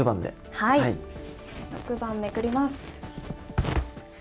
６番、めくります。